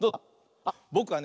あっぼくはね